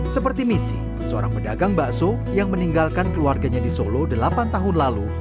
seperti misi seorang pedagang bakso yang meninggalkan keluarganya di solo delapan tahun lalu